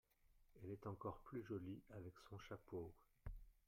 Elle est encore plus jolie avec son chapeau.